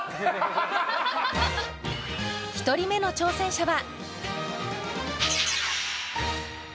１人目の挑戦者は。